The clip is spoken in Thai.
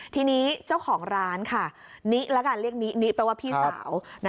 ทีนี้เจ้าของร้านค่ะนิละกันเรียกนินิแปลว่าพี่สาว